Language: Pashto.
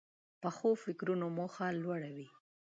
پخو فکرونو موخه لوړه وي